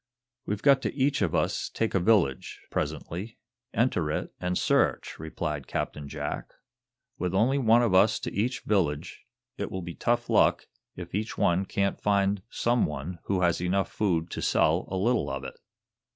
"We've got to each of us take a village, presently, enter it and search," replied Captain Jack. "With only one of us to each village, it will be tough luck if each one can't find some one who has enough food to sell a little of it."